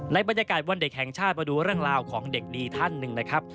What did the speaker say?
บรรยากาศวันเด็กแห่งชาติมาดูเรื่องราวของเด็กดีท่านหนึ่งนะครับ